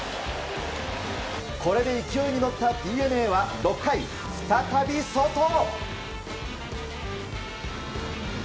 これで勢いに乗ったＤｅＮＡは６回、再びソト。